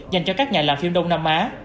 dành cho các nhà làm phim đông nam á